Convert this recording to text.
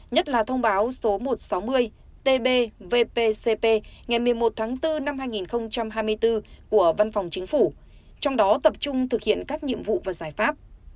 nhất là thông báo số một trăm sáu mươi tb vpcp ngày một mươi một tháng bốn năm hai nghìn hai mươi bốn của văn phòng chính phủ trong đó tập trung thực hiện các nhiệm vụ và giải pháp